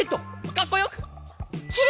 かっこよく！